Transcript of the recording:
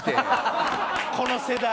この世代。